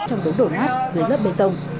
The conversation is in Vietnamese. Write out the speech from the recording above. trong đống đổ nát dưới lớp bê tông